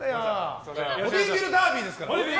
ボディービルダービーですから。